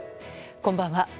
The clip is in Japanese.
こんばんは。